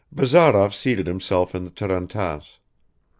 Bazarov seated himself in the tarantass.